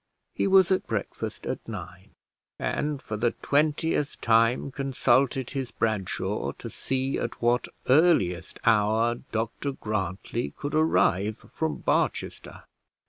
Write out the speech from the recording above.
He was at breakfast at nine, and for the twentieth time consulted his Bradshaw, to see at what earliest hour Dr Grantly could arrive from Barchester.